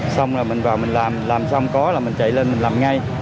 xong là mình vào mình làm làm xong có là mình chạy lên mình làm ngay